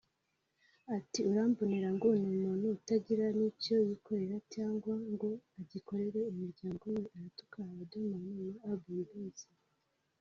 Ati “Urambonera ngo n’umuntu utaragira nicyo yikorera cyangwa ngo agikorere umuryango we aratuka Riderman na Urban Boys